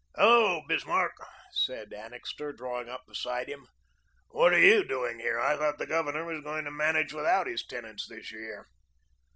"Hello, Bismarck," said Annixter, drawing up beside him. "What are YOU doing here? I thought the Governor was going to manage without his tenants this year."